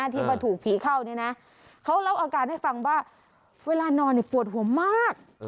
ที่มาถูกผีเข้าเนี่ยนะเขาเล่าอาการให้ฟังว่าเวลานอนปวดหัวมาก